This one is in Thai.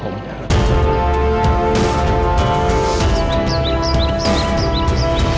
สวัสดีครับ